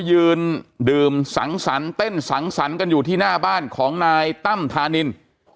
ยืนดื่มสังสรรค์เต้นสังสรรค์กันอยู่ที่หน้าบ้านของนายตั้มธานิน